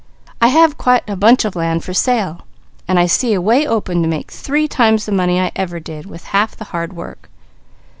I have quite a bunch of land for sale, and I see a way open to make three times the money I ever did, with half the hard work.